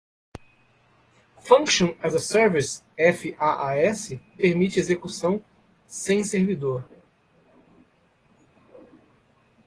Function as a Service (FaaS) permite execução sem servidor.